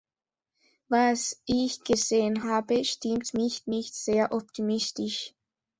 Was ich gesehen habe, stimmt mich nicht sehr optimistisch.